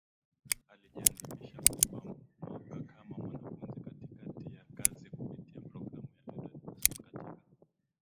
alijiandikisha kwa mwaka kama mwanafunzi katikati ya kazi kupitia Programu ya Edward Mason katika